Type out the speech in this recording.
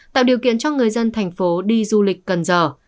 tạo điều kiện cho người dân thành phố đi du lịch cần giờ